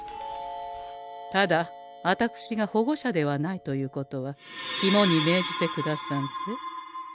ただあたくしが保護者ではないということはきもにめいじてくださんせ。